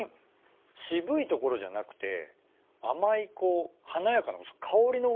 渋いところじゃなくて甘いこう華やかな香りの方がすごく強い。